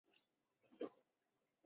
其实是用猜的